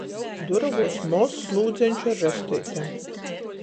Durovuos mozs lūdzeņš ar resteitem.